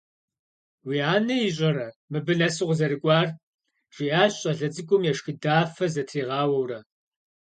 «Уи анэ ищӏэрэ мыбы нэс укъызэрыкӏуар?» жиӏащ щӏалэ цыкӏум ешхыдэфэ зытригъауэурэ.